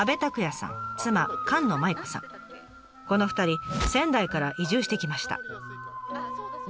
この２人仙台から移住してきました。